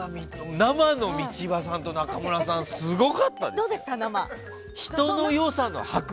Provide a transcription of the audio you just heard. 生の道場さんと中村さんはすごかったですよ。